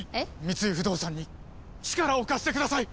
三井不動産に力を貸してください！